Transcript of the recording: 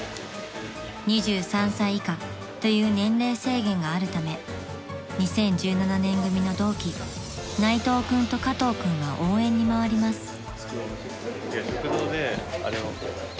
［２３歳以下という年齢制限があるため２０１７年組の同期内藤君と加藤君は応援に回ります］